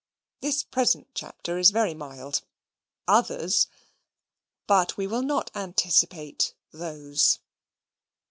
The present Chapter is very mild. Others But we will not anticipate THOSE.